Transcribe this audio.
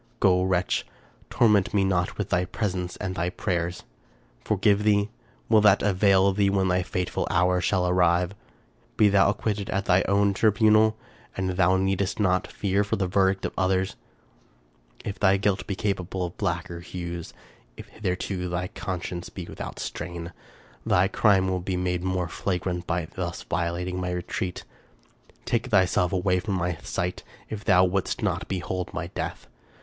Go, wretch! torment me not with thy presence and thy prayers. — Forgive thee? Will that avail thee when thy fateful hour shall arrive? Be thou acquitted at thy own tribunal, and thou needest not fear the verdict of others. If thy guilt be capable of blacker hues, if hitherto thy con science be without stain, thy crime will be made more flagrant by thus violating my retreat. Take thyself away from my sight if thou wouldst not behold my death!